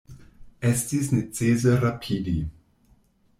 Estis necese rapidi.